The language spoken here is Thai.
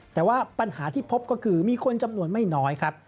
แต่ว่าปัญหาที่พบก็คือมีคนจำนวนไม่น้อยครับ